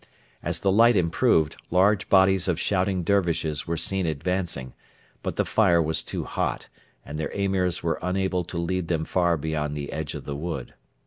As the light improved, large bodies of shouting Dervishes were seen advancing; but the fire was too hot, and their Emirs were unable to lead them far beyond the edge of the wood.